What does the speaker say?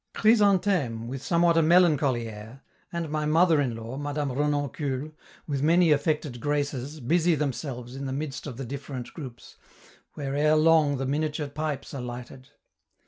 Chrysantheme, with somewhat a melancholy air, and my mother in law, Madame Renoncule, with many affected graces busy themselves in the midst of the different groups, where ere long the miniature pipes are lighted.